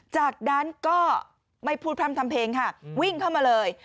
จากนั้นก็ไม่พูดพร่ำทำเพลงค่ะวิ่งเข้ามาเลย